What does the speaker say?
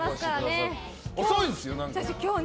遅いですよ、今日。